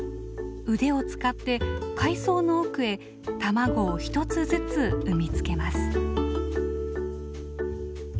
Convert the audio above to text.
腕を使って海藻の奥へ卵を１つずつ産み付けます。